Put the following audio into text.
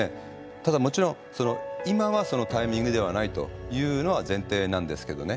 ただもちろんその今はそのタイミングではないというのは前提なんですけどね。